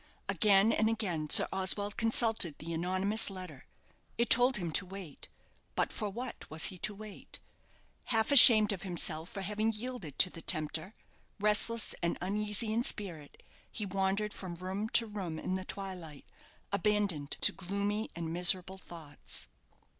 Again and again Sir Oswald consulted the anonymous letter. It told him to wait, but for what was he to wait? Half ashamed of himself for having yielded to the tempter, restless and uneasy in spirit, he wandered from room to room in the twilight, abandoned to gloomy and miserable thoughts.